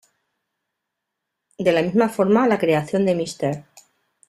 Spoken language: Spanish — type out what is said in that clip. De la misma forma, la creación de Mr.